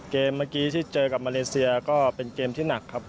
เมื่อกี้ที่เจอกับมาเลเซียก็เป็นเกมที่หนักครับ